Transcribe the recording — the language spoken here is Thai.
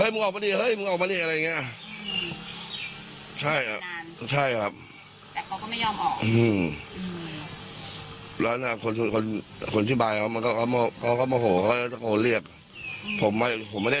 มึงออกมาดีออกมาดีเรือยังไงใช่แหละ